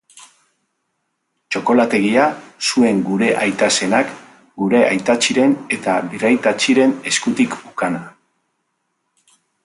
Txokolategia zuen gure aita zenak, gure aitatxiren eta birraitatxiren eskutik ukana.